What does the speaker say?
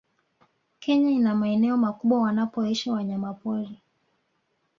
Kenya ina maeneo makubwa wanapoishi wanyamapori